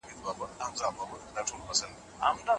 وخت ضايع کول ستر زيان دی.